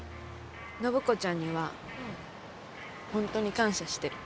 暢子ちゃんには本当に感謝してる。